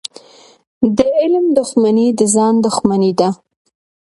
د علم دښمني د ځان دښمني ده.